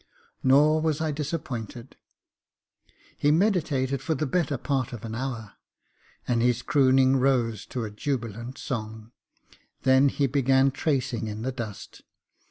Nor was I disappointed He meditated for the better part of an hour, and his crooning rose to a jubilant song. Then he began tracing in the dust.